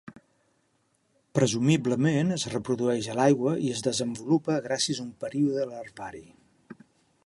Presumiblement es reprodueix a l'aigua i es desenvolupa gràcies a un període larvari.